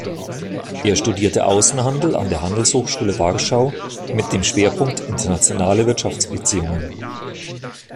Er studierte Außenhandel an der Handelshochschule Warschau mit dem Schwerpunkt internationale Wirtschaftsbeziehungen.